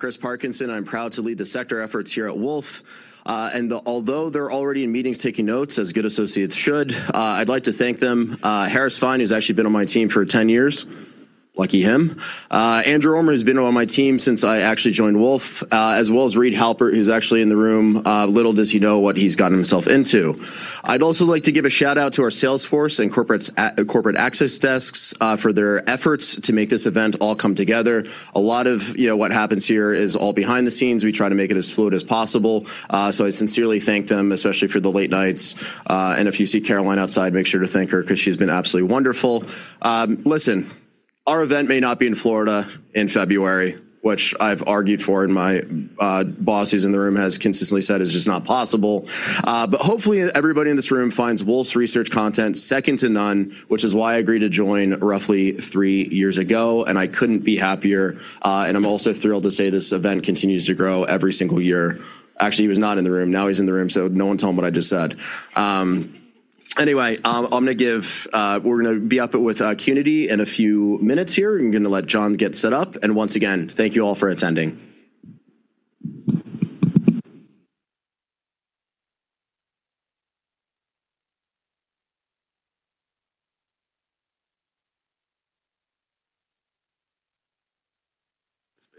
Chris Parkinson. I'm proud to lead the sector efforts here at Wolfe. Although they're already in meetings taking notes as good associates should, I'd like to thank them. Harris Fein, who's actually been on my team for 10 years, lucky him. Andrew Orme who's been on my team since I actually joined Wolfe, as well as Reed Halpert, who's actually in the room. Little does he know what he's gotten himself into. I'd also like to give a shout-out to our sales force and corporate access desks, for their efforts to make this event all come together. A lot of what happens here is all behind the scenes. We try to make it as fluid as possible. I sincerely thank them, especially for the late nights. If you see Caroline outside, make sure to thank her because she's been absolutely wonderful. Listen, our event may not be in Florida in February, which I've argued for, and my boss who's in the room has consistently said is just not possible. Hopefully, everybody in this room finds Wolfe's research content second to none, which is why I agreed to join roughly three years ago, and I couldn't be happier. I'm also thrilled to say this event continues to grow every single year. Actually, he was not in the room. Now he's in the room, so no one tell him what I just said. Anyway, we're going to be up with Qnity in a few minutes here. I'm going to let Jon get set up. Once again, thank you all for attending.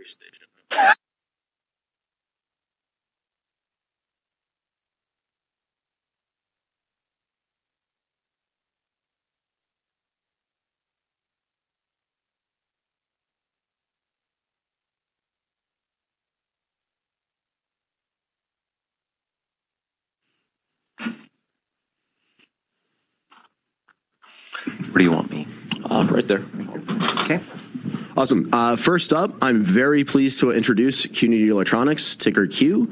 [Space station]. Where do you want me? Right there. Right here. Okay. Awesome. First up, I'm very pleased to introduce Qnity Electronics, ticker Q.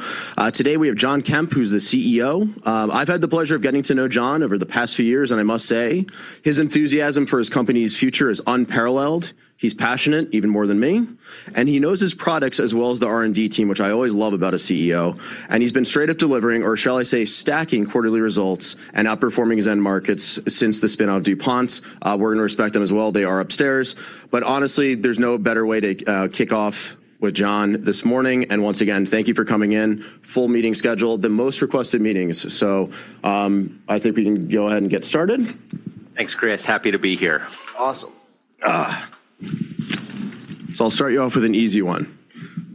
Today, we have Jon Kemp, who's the CEO. I've had the pleasure of getting to know Jon over the past few years, and I must say, his enthusiasm for his company's future is unparalleled. He's passionate even more than me, and he knows his products as well as the R&D team, which I always love about a CEO. He's been straight up delivering, or shall I say, stacking quarterly results and outperforming his end markets since the spin-off DuPont. We're going to respect them as well. They are upstairs. Honestly, there's no better way to kick off with Jon this morning. Once again, thank you for coming in. Full meeting scheduled, the most requested meetings. I think we can go ahead and get started. Thanks, Chris. Happy to be here. Awesome. I'll start you off with an easy one.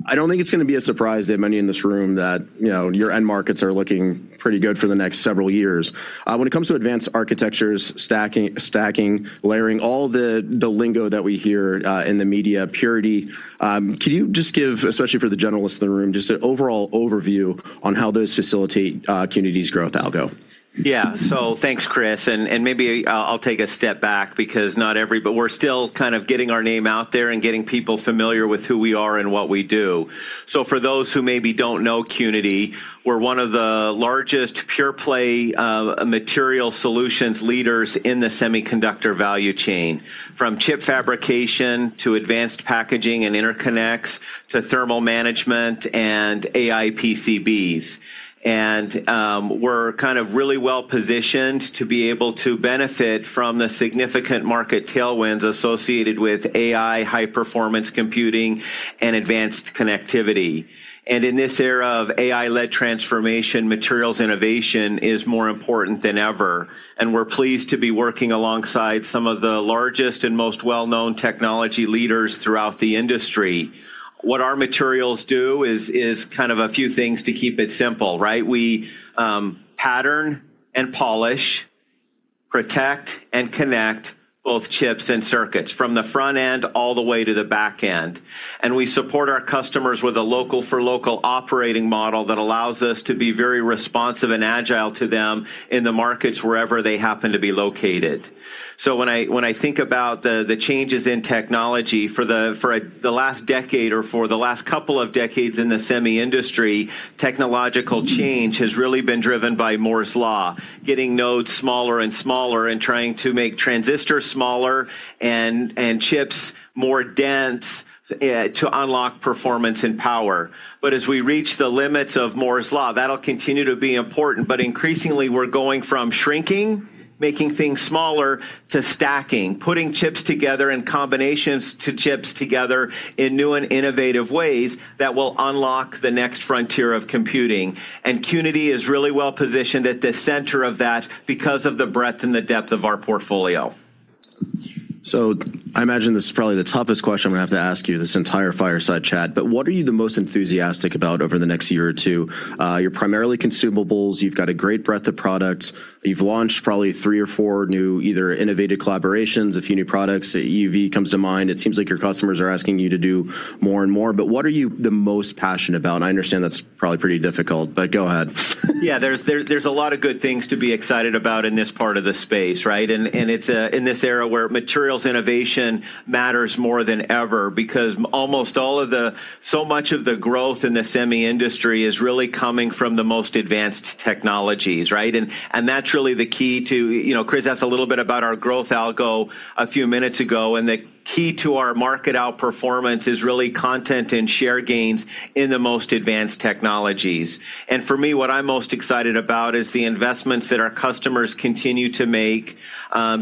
I don't think it's going to be a surprise to many in this room that your end markets are looking pretty good for the next several years. When it comes to advanced architectures, stacking, layering, all the lingo that we hear in the media, Qnity, can you just give, especially for the generalists in the room, just an overall overview on how those facilitate Qnity's growth algo? Yeah. Thanks, Chris. Maybe I'll take a step back because we're still kind of getting our name out there and getting people familiar with who we are and what we do. For those who maybe don't know Qnity, we're one of the largest pure-play material solutions leaders in the semiconductor value chain, from chip fabrication to advanced packaging and interconnects, to thermal management and AI PCBs. We're kind of really well-positioned to be able to benefit from the significant market tailwinds associated with AI, high-performance computing, and advanced connectivity. In this era of AI-led transformation, materials innovation is more important than ever, and we're pleased to be working alongside some of the largest and most well-known technology leaders throughout the industry. What our materials do is kind of a few things to keep it simple, right? We pattern and polish, protect, and connect both chips and circuits from the front end all the way to the back end. We support our customers with a local for local operating model that allows us to be very responsive and agile to them in the markets wherever they happen to be located. When I think about the changes in technology for the last decade or for the last couple of decades in the semi industry, technological change has really been driven by Moore's Law, getting nodes smaller and smaller and trying to make transistors smaller and chips more dense, to unlock performance and power. As we reach the limits of Moore's Law, that'll continue to be important, but increasingly we're going from shrinking, making things smaller, to stacking, putting chips together in combinations to chips together in new and innovative ways that will unlock the next frontier of computing. Qnity is really well-positioned at the center of that because of the breadth and the depth of our portfolio. I imagine this is probably the toughest question I'm going to have to ask you this entire fireside chat, but what are you the most enthusiastic about over the next year or two? You're primarily consumables. You've got a great breadth of products. You've launched probably three or four new, either innovative collaborations, a few new products. EUV comes to mind. It seems like your customers are asking you to do more and more, but what are you the most passionate about? I understand that's probably pretty difficult, but go ahead. There's a lot of good things to be excited about in this part of the space, right? It's in this era where materials innovation matters more than ever, because so much of the growth in the semi industry is really coming from the most advanced technologies, right? That's really the key to Chris asked a little bit about our growth algo a few minutes ago, and the key to our market outperformance is really content and share gains in the most advanced technologies. For me, what I'm most excited about is the investments that our customers continue to make,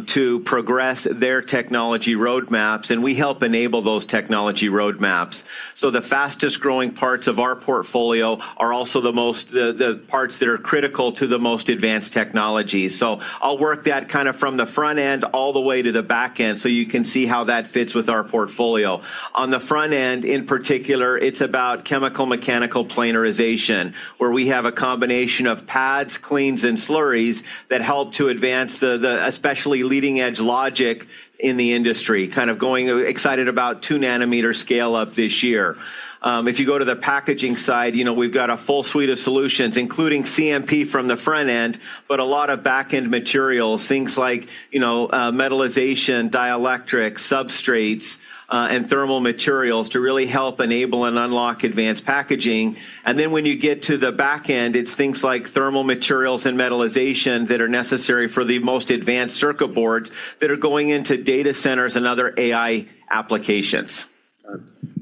to progress their technology roadmaps, and we help enable those technology roadmaps. The fastest-growing parts of our portfolio are also the parts that are critical to the most advanced technologies. I'll work that kind of from the front end all the way to the back end, so you can see how that fits with our portfolio. On the front end, in particular, it's about chemical mechanical planarization, where we have a combination of pads, cleans, and slurries that help to advance the especially leading-edge logic in the industry, kind of going excited about two nm scale-up this year. If you go to the packaging side, we've got a full suite of solutions, including CMP from the front end, but a lot of back-end materials, things like metallization, dielectrics, substrates, and thermal materials to really help enable and unlock advanced packaging. When you get to the back end, it's things like thermal materials and metallization that are necessary for the most advanced circuit boards that are going into data centers and other AI applications.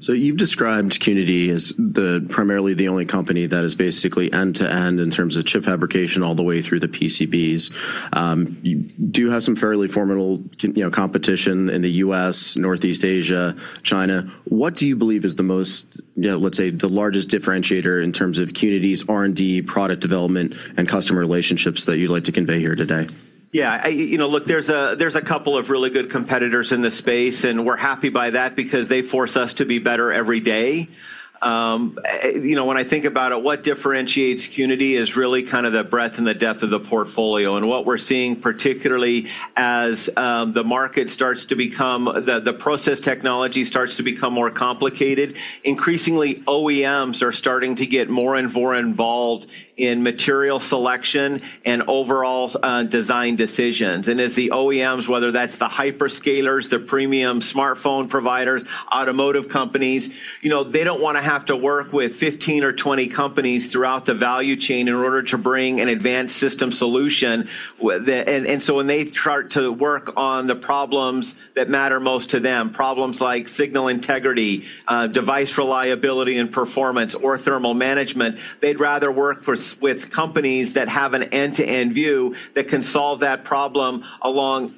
You've described Qnity as primarily the only company that is basically end-to-end in terms of chip fabrication all the way through the PCBs. You do have some fairly formidable competition in the U.S., Northeast Asia, China. What do you believe is the most, let's say, the largest differentiator in terms of Qnity's R&D, product development, and customer relationships that you'd like to convey here today? Look, there's a couple of really good competitors in this space, we're happy by that because they force us to be better every day. When I think about it, what differentiates Qnity is really kind of the breadth and the depth of the portfolio. What we're seeing, particularly as the market starts to become the process technology starts to become more complicated, increasingly OEMs are starting to get more and more involved in material selection and overall design decisions. As the OEMs, whether that's the hyperscalers, the premium smartphone providers, automotive companies, they don't want to have to work with 15 or 20 companies throughout the value chain in order to bring an advanced system solution. When they try to work on the problems that matter most to them, problems like signal integrity, device reliability, and performance or thermal management, they'd rather work with companies that have an end-to-end view that can solve that problem along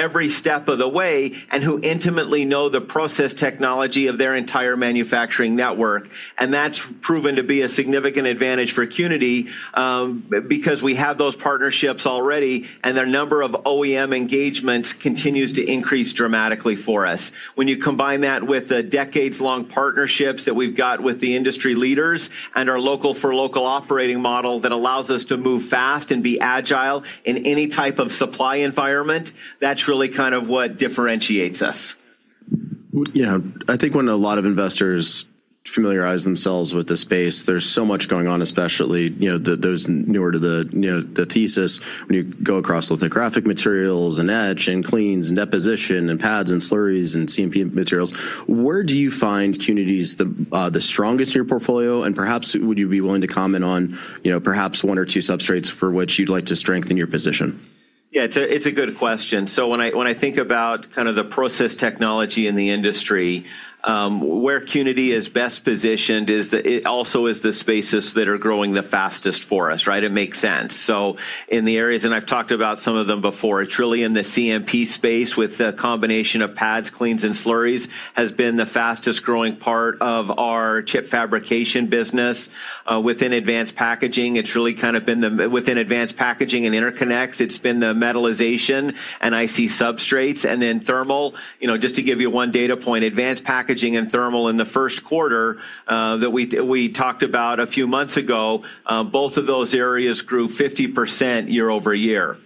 every step of the way, and who intimately know the process technology of their entire manufacturing network. That's proven to be a significant advantage for Qnity, because we have those partnerships already, and their number of OEM engagements continues to increase dramatically for us. When you combine that with the decades-long partnerships that we've got with the industry leaders and our local-for-local operating model that allows us to move fast and be agile in any type of supply environment, that's really kind of what differentiates us. Yeah. I think when a lot of investors familiarize themselves with the space, there's so much going on, especially those newer to the thesis, when you go across lithographic materials and etch and cleans and deposition and pads and slurries and CMP materials. Where do you find Qnity's the strongest in your portfolio? Perhaps, would you be willing to comment on perhaps one or two substrates for which you'd like to strengthen your position? Yeah, it's a good question. When I think about kind of the process technology in the industry, where Qnity is best positioned is also is the spaces that are growing the fastest for us, right? It makes sense. In the areas, and I've talked about some of them before, it's really in the CMP space with the combination of pads, cleans, and slurries has been the fastest-growing part of our chip fabrication business. Within advanced packaging and interconnects, it's been the metallization and IC substrates. Then thermal, just to give you one data point, advanced packaging and thermal in the first quarter, that we talked about a few months ago, both of those areas grew 50% year-over-year.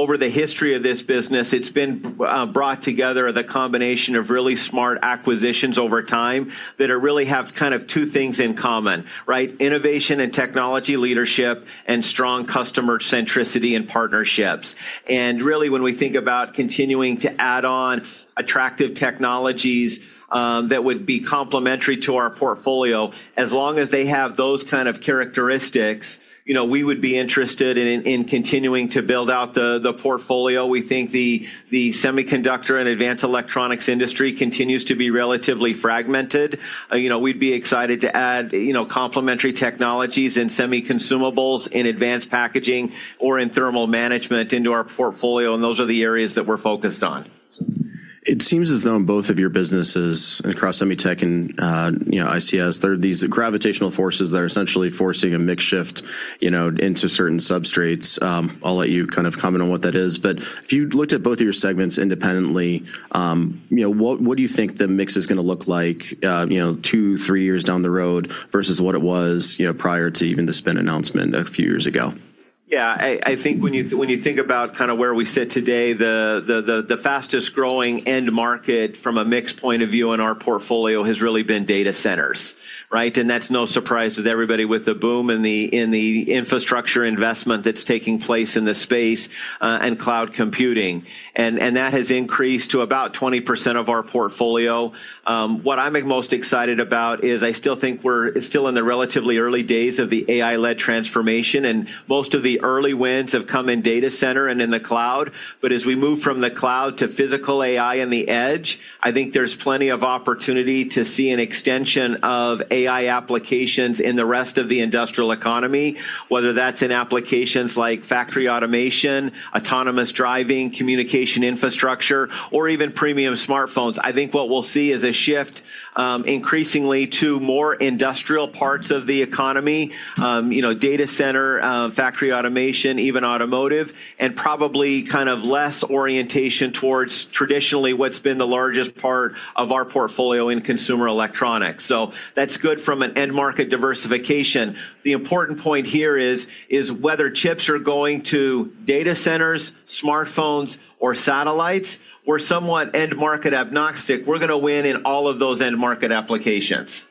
Over the history of this business, it's been brought together, the combination of really smart acquisitions over time that really have kind of two things in common, right? Innovation and technology leadership and strong customer centricity and partnerships. Really, when we think about continuing to add on attractive technologies that would be complementary to our portfolio, as long as they have those kind of characteristics, we would be interested in continuing to build out the portfolio. We think the semiconductor and advanced electronics industry continues to be relatively fragmented. We'd be excited to add complementary technologies in semi consumables, in advanced packaging or in thermal management into our portfolio, and those are the areas that we're focused on. It seems as though in both of your businesses, across semi tech and ICS, there are these gravitational forces that are essentially forcing a mix shift into certain substrates. I'll let you comment on what that is. If you looked at both of your segments independently, what do you think the mix is going to look like two, three years down the road versus what it was prior to even the spin announcement a few years ago? Yeah. I think when you think about where we sit today, the fastest-growing end market from a mix point of view in our portfolio has really been data centers. Right? That's no surprise to everybody with the boom in the infrastructure investment that's taking place in the space, and cloud computing. That has increased to about 20% of our portfolio. What I'm most excited about is I still think we're still in the relatively early days of the AI-led transformation, and most of the early wins have come in data center and in the cloud. As we move from the cloud to physical AI and the edge, I think there's plenty of opportunity to see an extension of AI applications in the rest of the industrial economy, whether that's in applications like factory automation, autonomous driving, communication infrastructure, or even premium smartphones. I think what we'll see is a shift increasingly to more industrial parts of the economy, data center, factory automation, even automotive, and probably less orientation towards traditionally what's been the largest part of our portfolio in consumer electronics. That's good from an end market diversification. The important point here is, whether chips are going to data centers, smartphones, or satellites, we're somewhat end market agnostic. We're going to win in all of those end market applications.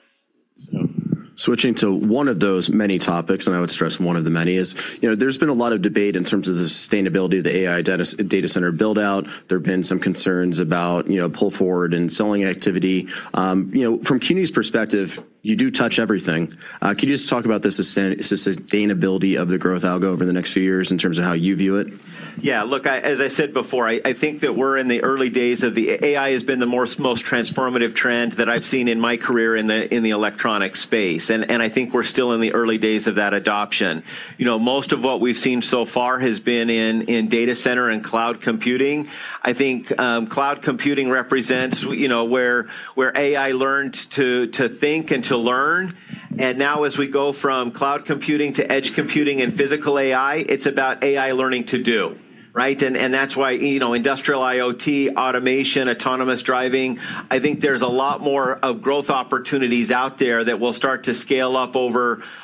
Switching to one of those many topics, and I would stress one of the many is, there's been a lot of debate in terms of the sustainability of the AI data center build-out. There have been some concerns about pull forward and selling activity. From Qnity's perspective, you do touch everything. Could you just talk about the sustainability of the growth algo over the next few years in terms of how you view it? Look, as I said before, I think that we're in the early days of the AI has been the most transformative trend that I've seen in my career in the electronic space, and I think we're still in the early days of that adoption. Most of what we've seen so far has been in data center and cloud computing. I think cloud computing represents where AI learned to think and to learn. Now as we go from cloud computing to edge computing and physical AI, it's about AI learning to do. Right? That's why industrial IoT, automation, autonomous driving, I think there's a lot more growth opportunities out there that will start to scale up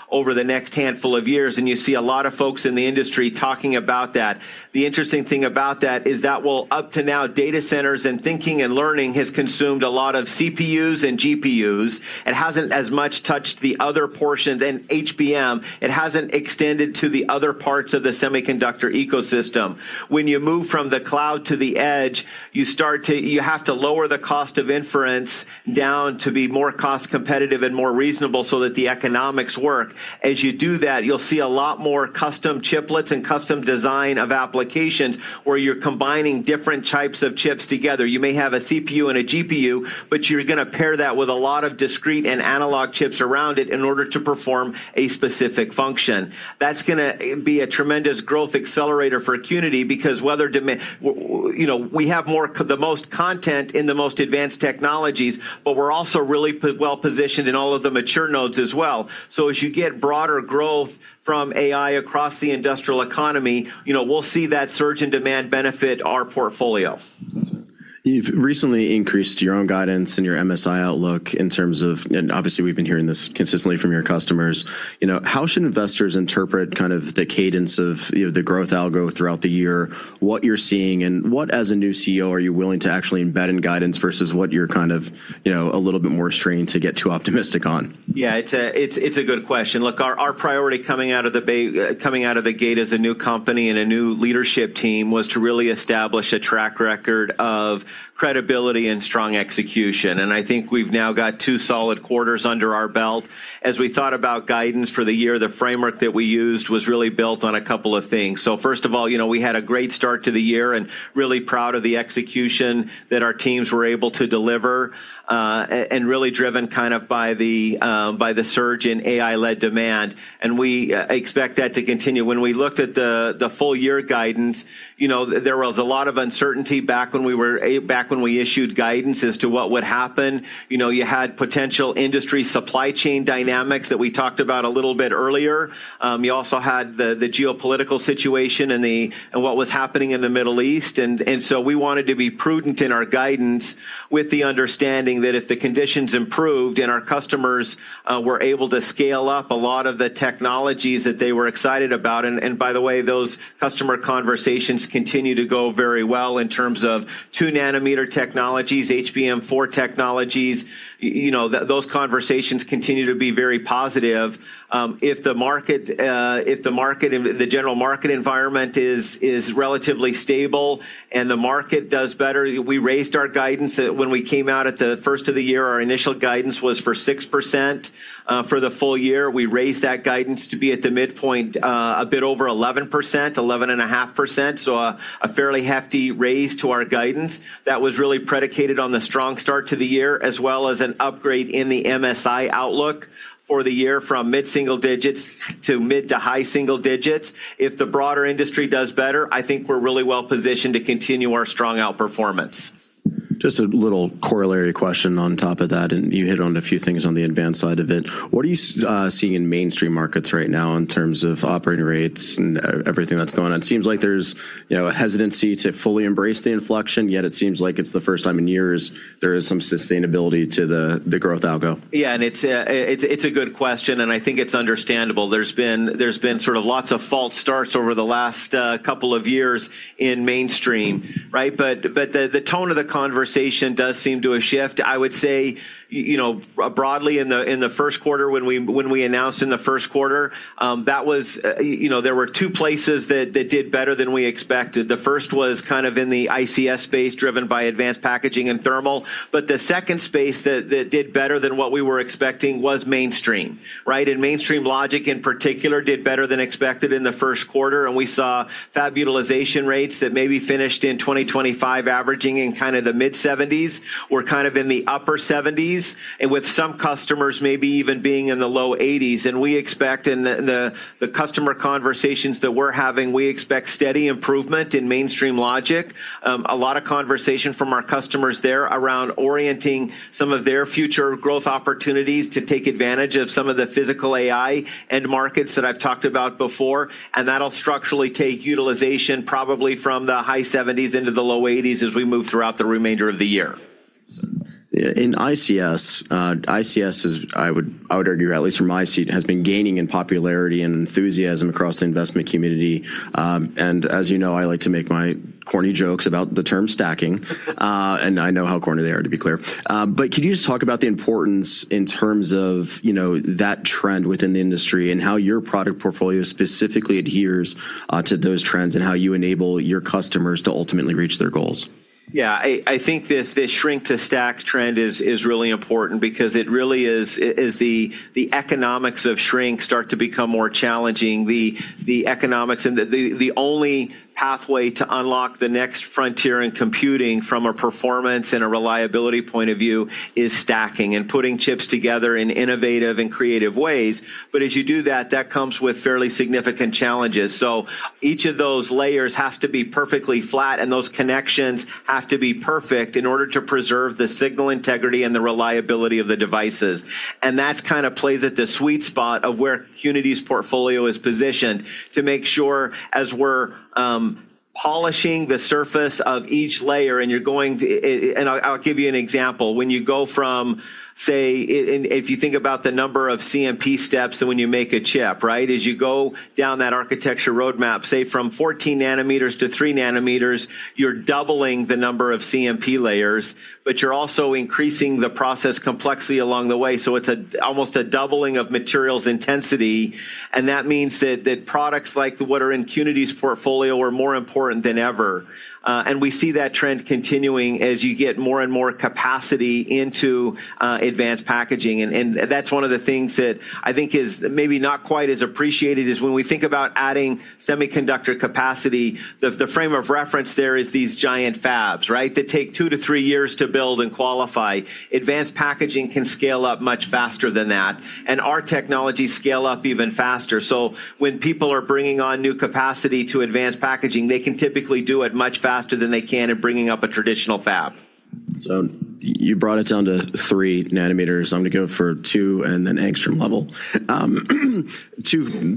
over the next handful of years, and you see a lot of folks in the industry talking about that. The interesting thing about that is that while up to now, data centers and thinking and learning has consumed a lot of CPUs and GPUs, it hasn't as much touched the other portions. In HBM, it hasn't extended to the other parts of the semiconductor ecosystem. When you move from the cloud to the edge, you have to lower the cost of inference down to be more cost-competitive and more reasonable so that the economics work. As you do that, you'll see a lot more custom chiplets and custom design of applications where you're combining different types of chips together. You may have a CPU and a GPU, you're going to pair that with a lot of discrete and analog chips around it in order to perform a specific function. That's going to be a tremendous growth accelerator for Qnity because we have the most content in the most advanced technologies, we're also really well-positioned in all of the mature nodes as well. As you get broader growth from AI across the industrial economy, we'll see that surge in demand benefit our portfolio. You've recently increased your own guidance and your MSI outlook in terms of, obviously, we've been hearing this consistently from your customers. How should investors interpret the cadence of the growth algo throughout the year, what you're seeing, and what, as a new CEO, are you willing to actually embed in guidance versus what you're a little bit more strained to get too optimistic on? Yeah. It's a good question. Look, our priority coming out of the gate as a new company and a new leadership team was to really establish a track record of credibility and strong execution, and I think we've now got two solid quarters under our belt. As we thought about guidance for the year, the framework that we used was really built on a couple of things. First of all, we had a great start to the year, and really proud of the execution that our teams were able to deliver, and really driven by the surge in AI-led demand, and we expect that to continue. When we looked at the full-year guidance, there was a lot of uncertainty back when we issued guidance as to what would happen. You had potential industry supply chain dynamics that we talked about a little bit earlier. You also had the geopolitical situation and what was happening in the Middle East. We wanted to be prudent in our guidance with the understanding that if the conditions improved and our customers were able to scale up a lot of the technologies that they were excited about. By the way, those customer conversations continue to go very well in terms of two nm technologies, HBM4 technologies. Those conversations continue to be very positive. If the general market environment is relatively stable and the market does better, we raised our guidance. When we came out at the 1st of the year, our initial guidance was for 6% for the full-year. We raised that guidance to be at the midpoint a bit over 11%-11.5%, a fairly hefty raise to our guidance. That was really predicated on the strong start to the year, as well as an upgrade in the MSI outlook for the year from mid-single digits to mid-to high-single digits. If the broader industry does better, I think we're really well-positioned to continue our strong outperformance. Just a little corollary question on top of that. You hit on a few things on the advanced side of it. What are you seeing in mainstream markets right now in terms of operating rates and everything that's going on? It seems like there's a hesitancy to fully embrace the inflection, yet it seems like it's the first time in years there is some sustainability to the growth algo. Yeah, it's a good question, I think it's understandable. There's been lots of false starts over the last couple of years in mainstream, right? The tone of the conversation does seem to have shifted. I would say, broadly, in the first quarter, when we announced in the first quarter, there were two places that did better than we expected. The first was kind of in the ICS space, driven by advanced packaging and thermal. The second space that did better than what we were expecting was mainstream, right? Mainstream logic, in particular, did better than expected in the first quarter, we saw fab utilization rates that maybe finished in 2025, averaging in kind of the mid-70%s. We're kind of in the upper 70%s, with some customers maybe even being in the low 80%s. We expect in the customer conversations that we're having, we expect steady improvement in mainstream logic. A lot of conversation from our customers there around orienting some of their future growth opportunities to take advantage of some of the physical AI end markets that I've talked about before. That'll structurally take utilization probably from the high 70%s into the low 80%s as we move throughout the remainder of the year. Yeah. In ICS, I would argue, at least from my seat, has been gaining in popularity and enthusiasm across the investment community. As you know, I like to make my corny jokes about the term stacking. I know how corny they are, to be clear. Could you just talk about the importance in terms of that trend within the industry and how your product portfolio specifically adheres to those trends, and how you enable your customers to ultimately reach their goals? I think this shrink to stack trend is really important because it really is the economics of shrink start to become more challenging. The economics and the only pathway to unlock the next frontier in computing from a performance and a reliability point of view is stacking and putting chips together in innovative and creative ways. As you do that comes with fairly significant challenges. Each of those layers has to be perfectly flat, those connections have to be perfect in order to preserve the signal integrity and the reliability of the devices. That kind of plays at the sweet spot of where Qnity's portfolio is positioned to make sure as we're polishing the surface of each layer, I'll give you an example. When you go from, say, if you think about the number of CMP steps when you make a chip, right? As you go down that architecture roadmap, say, from 14 nm to three nm, you're doubling the number of CMP layers, but you're also increasing the process complexity along the way. It's almost a doubling of materials intensity, and that means that products like what are in Qnity's portfolio are more important than ever. We see that trend continuing as you get more and more capacity into advanced packaging. That's one of the things that I think is maybe not quite as appreciated is when we think about adding semiconductor capacity, the frame of reference there is these giant fabs, right, that take two to three years to build and qualify. Advanced packaging can scale up much faster than that, and our technologies scale up even faster. When people are bringing on new capacity to advanced packaging, they can typically do it much faster than they can in bringing up a traditional fab. You brought it down to three nm. I'm going to go for two nm and then angstrom level.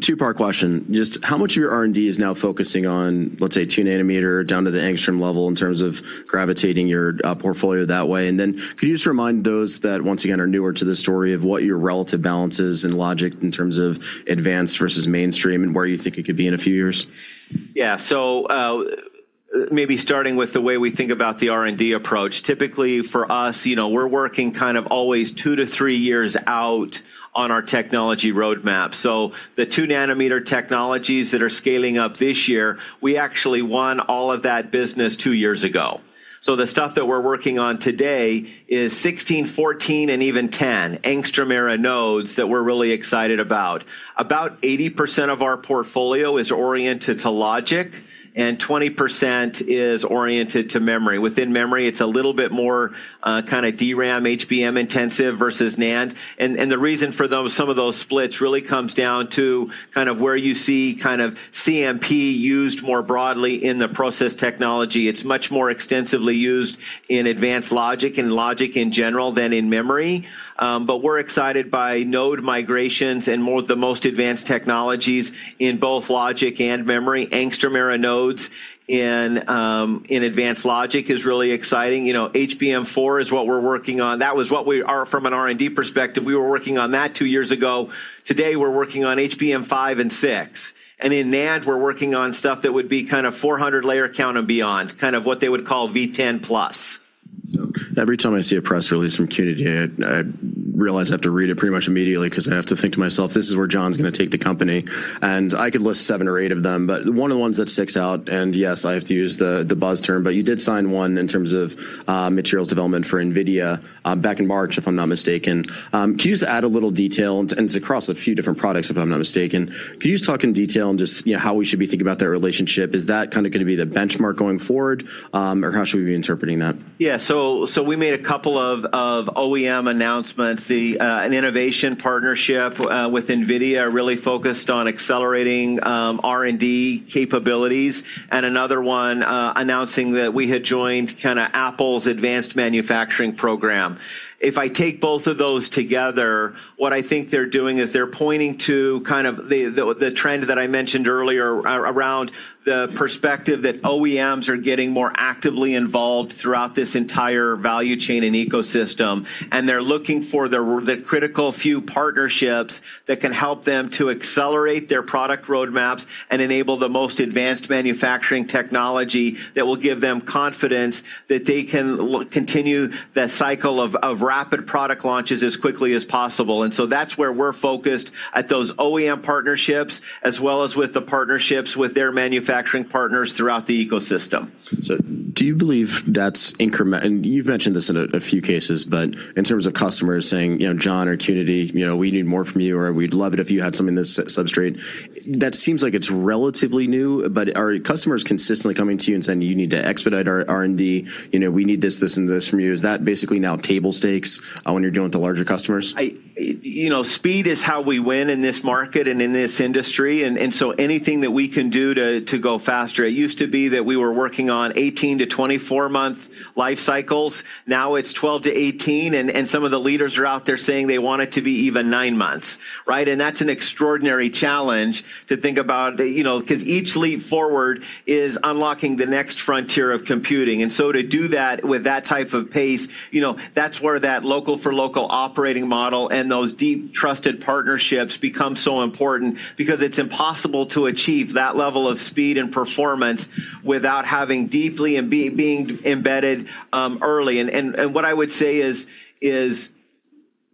Two-part question. Just how much of your R&D is now focusing on, let's say, two nm down to the angstrom level in terms of gravitating your portfolio that way? Could you just remind those that, once again, are newer to the story of what your relative balance is in logic in terms of advanced versus mainstream and where you think it could be in a few years? Yeah. Maybe starting with the way we think about the R&D approach. Typically, for us, we're working kind of always two to three years out on our technology roadmap. The two-nm technologies that are scaling up this year, we actually won all of that business two years ago. The stuff that we're working on today is 16 angstrom, 14 angstrom, and even 10 angstrom era nodes that we're really excited about. About 80% of our portfolio is oriented to logic, and 20% is oriented to memory. Within memory, it's a little bit more kind of DRAM, HBM-intensive versus NAND. The reason for some of those splits really comes down to kind of where you see kind of CMP used more broadly in the process technology. It's much more extensively used in advanced logic and logic in general than in memory. We're excited by node migrations and the most advanced technologies in both logic and memory. Angstrom era nodes in advanced logic is really exciting. HBM4 is what we're working on. That was what we, from an R&D perspective, we were working on that two years ago. Today, we're working on HBM5 and HBM6. In NAND, we're working on stuff that would be kind of 400-layer count and beyond, kind of what they would call V10+. Every time I see a press release from Qnity, I realize I have to read it pretty much immediately because I have to think to myself, this is where Jon's going to take the company. I could list seven or eight of them, but one of the ones that sticks out, and yes, I have to use the buzz term, but you did sign one in terms of materials development for NVIDIA back in March, if I'm not mistaken. Can you just add a little detail? It's across a few different products, if I'm not mistaken. Can you just talk in detail on just how we should be thinking about that relationship? Is that going to be the benchmark going forward? How should we be interpreting that? Yeah. We made a couple of OEM announcements, an innovation partnership with NVIDIA, really focused on accelerating R&D capabilities, and another one announcing that we had joined Apple's advanced manufacturing program. If I take both of those together, what I think they're doing is they're pointing to the trend that I mentioned earlier around the perspective that OEMs are getting more actively involved throughout this entire value chain and ecosystem, and they're looking for the critical few partnerships that can help them to accelerate their product roadmaps and enable the most advanced manufacturing technology that will give them confidence that they can continue the cycle of rapid product launches as quickly as possible. That's where we're focused, at those OEM partnerships, as well as with the partnerships with their manufacturing partners throughout the ecosystem. Do you believe that's? You've mentioned this in a few cases, but in terms of customers saying, Jon, or Qnity, we need more from you, or, we'd love it if you had something that's substrate. That seems like it's relatively new, but are customers consistently coming to you and saying, you need to expedite our R&D. We need this, and this from you. Is that basically now table stakes when you're dealing with the larger customers? Speed is how we win in this market and in this industry. Anything that we can do to go faster. It used to be that we were working on 18-to 24-month life cycles. Now it's 12 to 18 months, and some of the leaders are out there saying they want it to be even nine months. Right. That's an extraordinary challenge to think about, because each leap forward is unlocking the next frontier of computing. To do that with that type of pace, that's where that local-for-local operating model and those deep trusted partnerships become so important. Because it's impossible to achieve that level of speed and performance without having deeply and being embedded early. What I would say is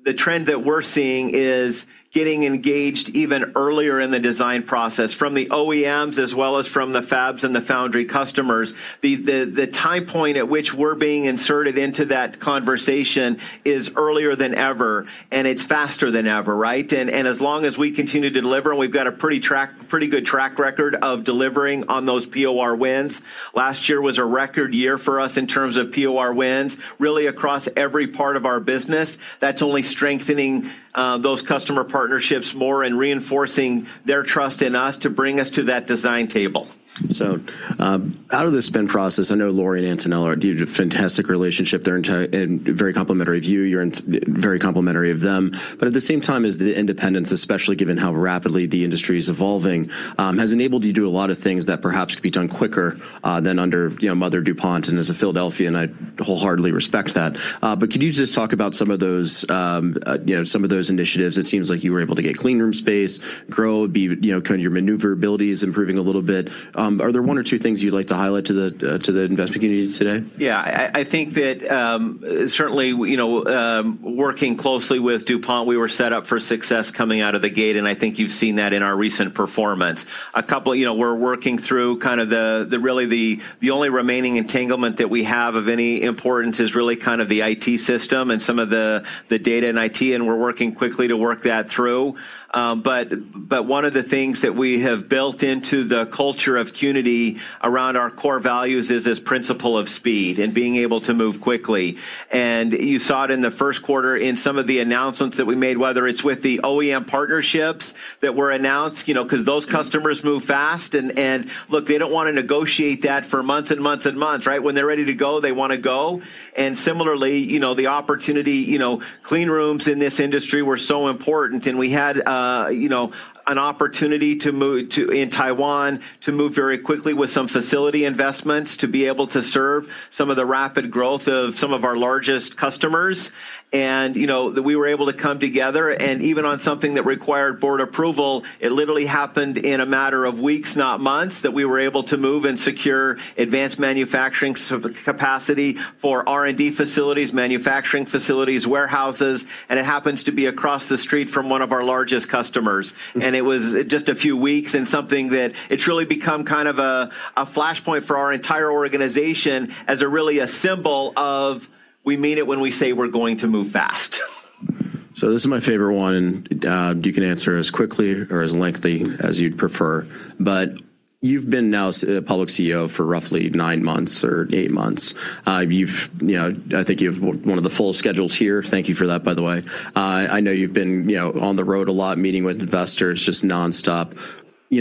the trend that we're seeing is getting engaged even earlier in the design process from the OEMs as well as from the fabs and the foundry customers. The time point at which we're being inserted into that conversation is earlier than ever, and it's faster than ever, right. As long as we continue to deliver, and we've got a pretty good track record of delivering on those POR wins. Last year was a record year for us in terms of POR wins, really across every part of our business. That's only strengthening those customer partnerships more and reinforcing their trust in us to bring us to that design table. Out of the spin process, I know Lori and Antonella, you had a fantastic relationship. They're very complimentary of you. You're very complimentary of them. At the same time, as the independence, especially given how rapidly the industry is evolving, has enabled you to do a lot of things that perhaps could be done quicker than under Mother DuPont. As a Philadelphian, I wholeheartedly respect that. Could you just talk about some of those initiatives? It seems like you were able to get clean room space, grow, your maneuverability is improving a little bit. Are there one or two things you'd like to highlight to the investment community today? Yeah. I think that certainly, working closely with DuPont, we were set up for success coming out of the gate, I think you've seen that in our recent performance. We're working through the really only remaining entanglement that we have of any importance, is really kind of the IT system and some of the data in IT. We're working quickly to work that through. One of the things that we have built into the culture of Qnity around our core values is this principle of speed and being able to move quickly. You saw it in the first quarter in some of the announcements that we made, whether it's with the OEM partnerships that were announced, because those customers move fast, look, they don't want to negotiate that for months and months and months. Right. When they're ready to go, they want to go. Similarly, the opportunity, clean rooms in this industry were so important, and we had an opportunity in Taiwan to move very quickly with some facility investments to be able to serve some of the rapid growth of some of our largest customers. We were able to come together, and even on something that required board approval, it literally happened in a matter of weeks, not months, that we were able to move and secure advanced manufacturing capacity for R&D facilities, manufacturing facilities, warehouses, and it happens to be across the street from one of our largest customers. It was just a few weeks, and something that it's really become kind of a flashpoint for our entire organization as really a symbol of we mean it when we say we're going to move fast. This is my favorite one. You can answer as quickly or as lengthy as you'd prefer. You've been now a public CEO for roughly nine months or eight months. I think you have one of the fullest schedules here. Thank you for that, by the way. I know you've been on the road a lot, meeting with investors, just non-stop.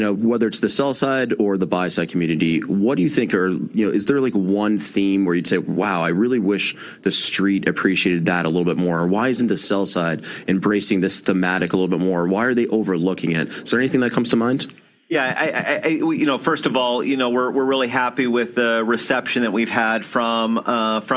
Whether it's the sell-side or the buy-side community, is there one theme where you'd say, wow, I really wish the Street appreciated that a little bit more, or, why isn't the sell side embracing this thematic a little bit more, and why are they overlooking it? Is there anything that comes to mind? Yeah. First of all, we're really happy with the reception that we've had from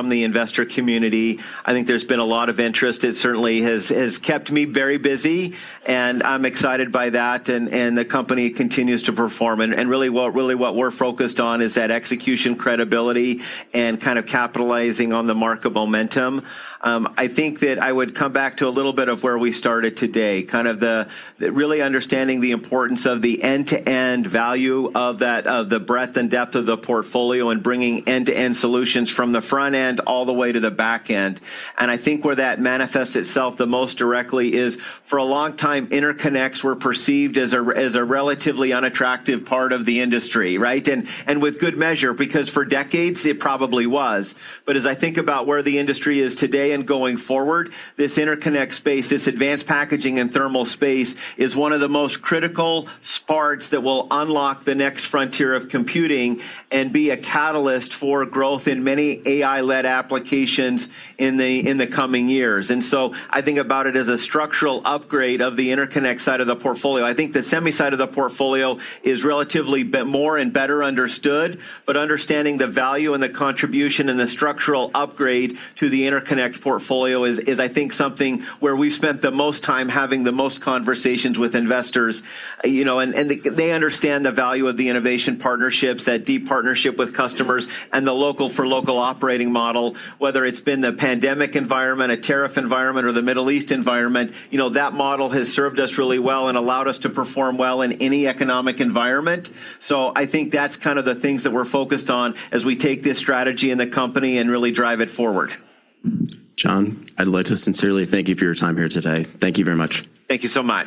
the investor community. I think there's been a lot of interest. It certainly has kept me very busy, and I'm excited by that, and the company continues to perform. Really what we're focused on is that execution credibility and kind of capitalizing on the mark of momentum. I think that I would come back to a little bit of where we started today, kind of really understanding the importance of the end-to-end value of the breadth and depth of the portfolio and bringing end-to-end solutions from the front end all the way to the back end. I think where that manifests itself the most directly is for a long time, interconnects were perceived as a relatively unattractive part of the industry, right? With good measure, because for decades it probably was. As I think about where the industry is today and going forward, this interconnect space, this advanced packaging and thermal space, is one of the most critical sparks that will unlock the next frontier of computing and be a catalyst for growth in many AI-led applications in the coming years. I think about it as a structural upgrade of the interconnect side of the portfolio. I think the semi side of the portfolio is relatively more and better understood, but understanding the value and the contribution and the structural upgrade to the interconnect portfolio is, I think, something where we've spent the most time having the most conversations with investors. They understand the value of the innovation partnerships, that deep partnership with customers, and the local-for-local operating model. Whether it's been the pandemic environment, a tariff environment, or the Middle East environment, that model has served us really well and allowed us to perform well in any economic environment. I think that's kind of the things that we're focused on as we take this strategy in the company and really drive it forward. Jon, I'd like to sincerely thank you for your time here today. Thank you very much. Thank you so much.